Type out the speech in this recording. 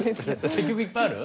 結局いっぱいある？